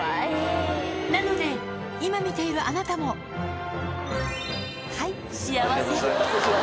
なので、今見ているあなたも、はい、幸せ。